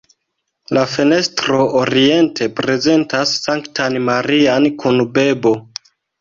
La fenestro oriente prezentas Sanktan Marian kun bebo.